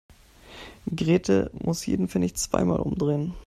Grete muss jeden Pfennig zweimal umdrehen.